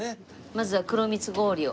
まずは黒蜜氷を。